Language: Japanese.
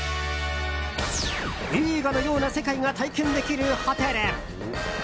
映画のような世界が体験できるホテル。